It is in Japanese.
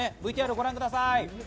ＶＴＲをご覧ください。